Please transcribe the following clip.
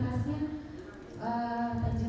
nah itu aja